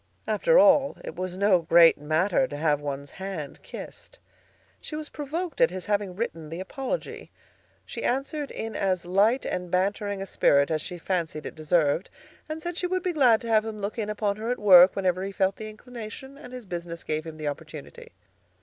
After all, it was no great matter to have one's hand kissed. She was provoked at his having written the apology. She answered in as light and bantering a spirit as she fancied it deserved, and said she would be glad to have him look in upon her at work whenever he felt the inclination and his business gave him the opportunity.